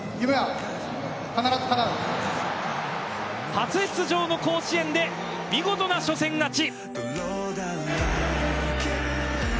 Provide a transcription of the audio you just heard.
初出場の甲子園で見事な初戦勝ち。